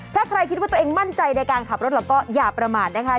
ถ้าใครคิดว่าตัวเองมั่นใจในการขับรถแล้วก็อย่าประมาทนะคะ